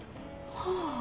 はあ。